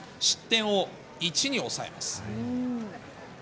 失点を１に抑えます。